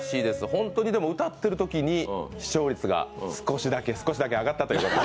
本当に歌っているときに視聴率が少しだけ、少しだけ上がったということで。